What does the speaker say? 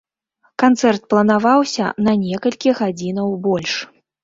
Канцэрт планаваўся на некалькі гадзінаў больш.